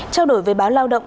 trao đổi với báo lao động